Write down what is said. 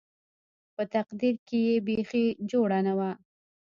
په تقرير کښې يې بيخي جوړه نه وه.